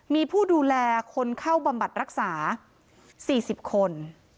มีผู้ดูแลคนเข้าบำบัดรักษา๔๐คน